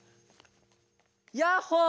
ヤッホー！